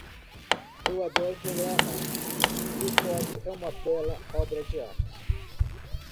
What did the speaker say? Eu adoro programar e o código é uma bela obra de arte.